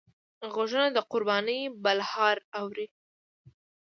غوږونه د قربانۍ بلهار اوري